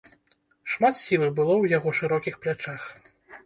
Шмат сілы было ў яго шырокіх плячах.